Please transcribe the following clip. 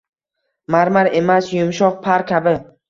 Marmar emas, yumshoq par kabi.